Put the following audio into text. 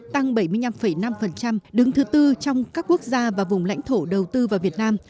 tăng bảy mươi năm năm đứng thứ tư trong các quốc gia và vùng lãnh thổ đầu tư vào việt nam